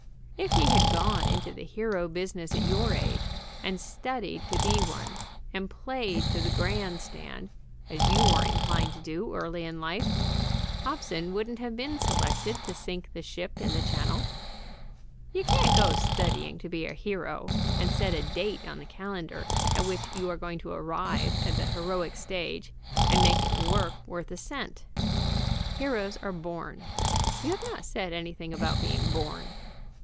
If he had gone into the hero business at your age and studied to be one, and played to the grand stand, as you are 1 70 WANTS TO BE A HERO inclined to do early in life, Hobson wouldn't have been selected to sink the ship in the channel. You can't go studying to be a hero and set a date on the calen dar at which you are going to arrive at the heroic stage and make it work worth a cent. Heroes are born. You have not said anything about being born.